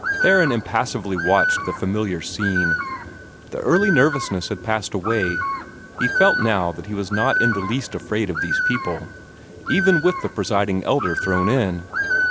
Theron impassively watched the familiar scene. The early nervousness had passed away. He felt now that he was not in the least afraid of these people, even with the Presiding Elder thrown in.